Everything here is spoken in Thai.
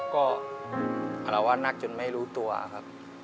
ก็อารวาสนักจนไม่รู้ตัวครับ